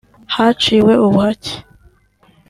haciwe ubuhake